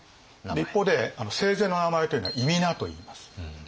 一方で生前の名前というのは諱といいます。